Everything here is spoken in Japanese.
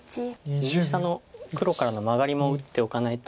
右下の黒からのマガリも打っておかないと。